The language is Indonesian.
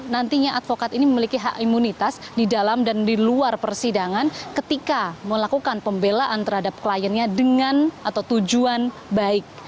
nantinya advokat ini memiliki hak imunitas di dalam dan di luar persidangan ketika melakukan pembelaan terhadap kliennya dengan atau tujuan baik